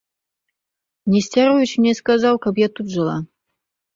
Несцяровіч мне сказаў, каб я тут жыла.